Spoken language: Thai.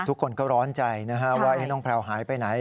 ทุกคนก็ร้อนใจนะฮะว่าน้องแพลวหายไปไหน